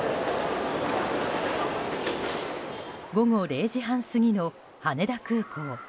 午後０時半過ぎの羽田空港。